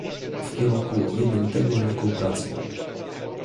w kierunku jednolitego rynku pracy